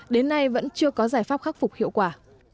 đến nay vẫn chưa có giải pháp khắc phục hiệu quả